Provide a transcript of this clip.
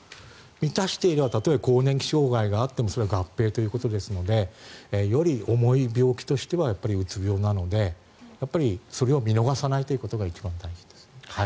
満たしていればたとえ更年期障害があってもそれは合併ということですのでより重い病気としてはうつ病なのでそれを見逃さないということが一番大事です。